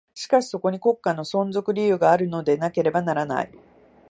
しかしそこに国家の存在理由があるのでなければならない。